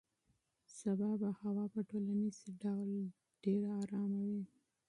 سبا به هوا په ټولیز ډول ډېره ارامه وي.